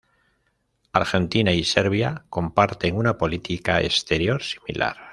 Argentina y Serbia comparten una política exterior similar.